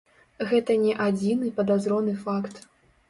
Гэта не адзіны падазроны факт.